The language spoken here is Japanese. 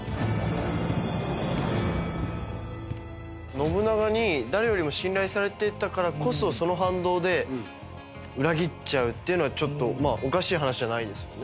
信長に誰よりも信頼されていたからこそその反動で裏切っちゃうっていうのはちょっとまあおかしい話じゃないですよね。